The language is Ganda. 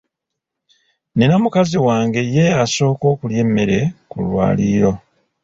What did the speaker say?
Nina mukazi wange ye asooka okulya emmere ku lwaliiro.